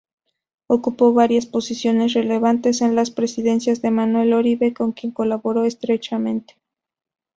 Ocupó varias posiciones relevantes en las presidencias de Manuel Oribe, con quien colaboró estrechamente.